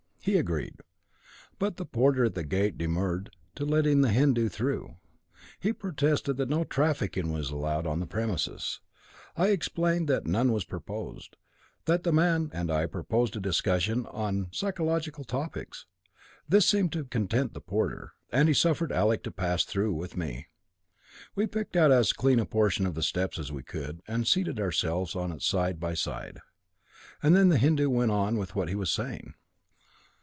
He agreed. But the porter at the gate demurred to letting the Hindu through. He protested that no trafficking was allowed on the premises. I explained that none was purposed; that the man and I proposed a discussion on psychological topics. This seemed to content the porter, and he suffered Alec to pass through with me. We picked out as clean a portion of the steps as we could, and seated ourselves on it side by side, and then the Hindu went on with what he was saying."